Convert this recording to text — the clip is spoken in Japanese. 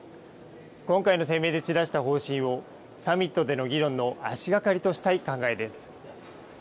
今回の声明で打ち出した方針を、サミットでの議論の足がかりとしたい考えです。